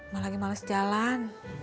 malah lagi males jalan